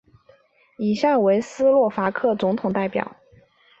以下为斯洛伐克总统列表。